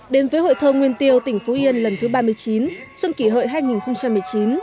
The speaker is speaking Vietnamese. đến với hội thơ nguyên tiêu tỉnh phú yên lần thứ ba mươi chín xuân kỷ hợi hai nghìn một mươi chín